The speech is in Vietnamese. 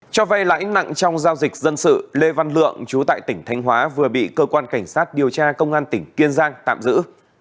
cho vay lãnh nặng trong giao dịch dân sự lê văn lượng chú tại tỉnh thanh hóa vừa bị cơ quan cảnh sát điều tra công an tỉnh kiên giang tạm giữ